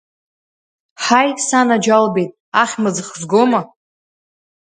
Ҳаи, санаџьалбеит, ахьмыӡӷ згома!